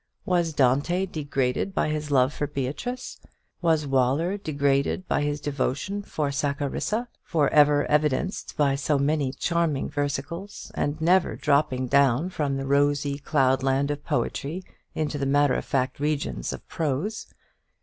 Was Dante degraded by his love for Beatrice? was Waller degraded by his devotion to Saccharissa for ever evidenced by so many charming versicles, and never dropping down from the rosy cloud land of poetry into the matter of fact regions of prose?